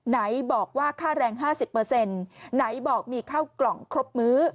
ไหนบอกว่าค่าแรงห้าสิบเปอร์เซ็นต์ไหนบอกมีข้าวกล่องครบมื้อ